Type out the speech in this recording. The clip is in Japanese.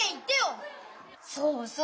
そうそう。